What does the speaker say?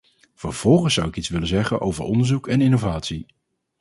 Vervolgens zou ik iets willen zeggen over onderzoek en innovatie.